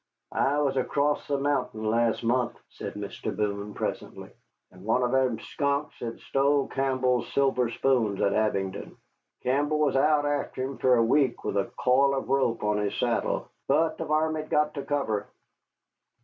"I was acrost the mountain last month," said Mr. Boone, presently, "and one of them skunks had stole Campbell's silver spoons at Abingdon. Campbell was out arter him for a week with a coil of rope on his saddle. But the varmint got to cover."